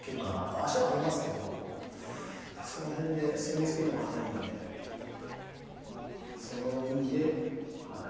足は上げますけどその辺でスイングスピードも速いんでその意味ではい。